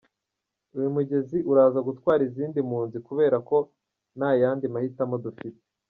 Uyu mugezi uraza gutwara izindi mpunzi kubera ko nta yandi mahitamo dufite.”